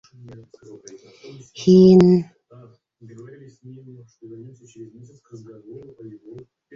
Һин...